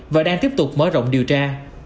và đang tiếp tục mở rộng điều tra